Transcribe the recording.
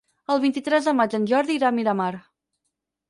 El vint-i-tres de maig en Jordi irà a Miramar.